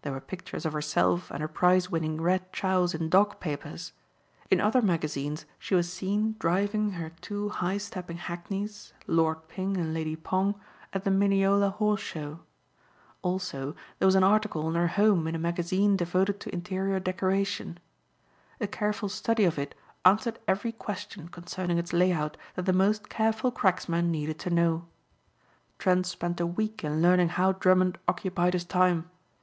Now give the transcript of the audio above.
There were pictures of herself and her prize winning Red Chows in dog papers. In other magazines she was seen driving her two high stepping hackneys, Lord Ping and Lady Pong, at the Mineola Horse Show. Also, there was an article on her home in a magazine devoted to interior decoration. A careful study of it answered every question concerning its lay out that the most careful cracksman needed to know. Trent spent a week in learning how Drummond occupied his time.